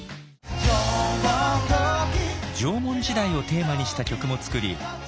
縄文時代をテーマにした曲も作り